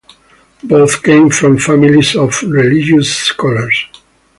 Both came from families of religious scholars.